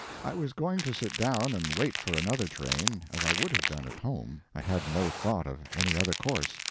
I was going to sit down and wait for another train, as I would have done at home; I had no thought of any other course.